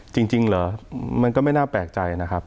จริงเหรอมันก็ไม่น่าแปลกใจนะครับ